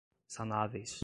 sanáveis